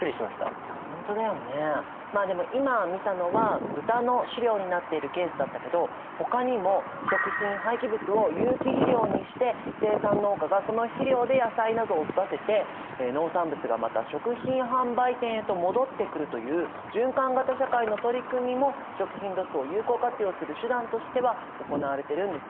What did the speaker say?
まあでも今見たのは豚の飼料になっているケースだったけどほかにも食品廃棄物を有機肥料にして生産農家がその肥料で野菜などを育てて農産物がまた食品販売店へと戻ってくるという循環型社会の取り組みも食品ロスを有効活用する手段としては行われてるんですよね。